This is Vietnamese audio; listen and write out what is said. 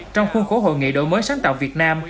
trong khuôn khổ hội nghị đổi mới sáng tạo việt nam